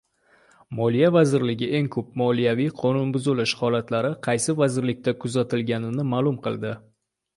Moliya vazirligi eng ko‘p moliyaviy qonunbuzilish holatlari qaysi vazirliklarda kuzatilganini ma’lum qildi